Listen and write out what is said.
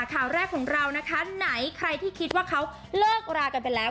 ข่าวแรกของเรานะคะไหนใครที่คิดว่าเขาเลิกรากันไปแล้ว